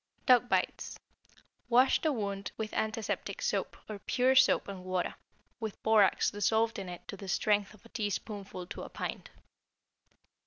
=Dog Bites.= Wash the wound with antiseptic soap or pure soap and water, with borax dissolved in it to the strength of a teaspoonful to a pint.